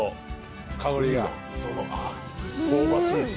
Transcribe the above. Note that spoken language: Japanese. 香りが？香ばしいし。